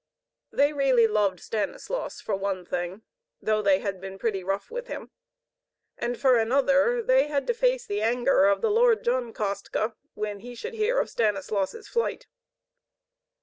They really loved Stanislaus, for one thing, though they had been pretty rough with him. And for another, they had to face the anger of the Lord John Kostka, when he should hear of Stanislaus' flight.